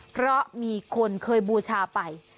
เพราะมีคนเคยบูชาไป